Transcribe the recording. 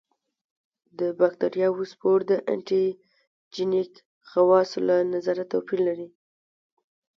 د باکتریاوو سپور د انټي جېنیک خواصو له نظره توپیر لري.